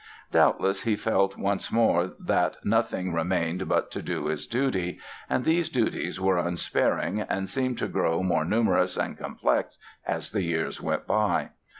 Doubtless he felt once more that nothing remained but "to do his duty"—and these duties were unsparing and seemed to grow more numerous and complex as the years went by.